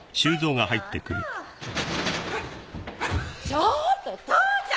ちょっと父ちゃん！